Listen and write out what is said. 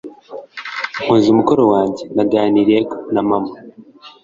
Nkoze umukoro wanjye, naganiriye na Mama.